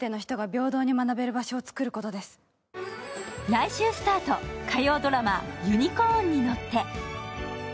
来週スタート、火曜ドラマ「ユニコーンに乗って」。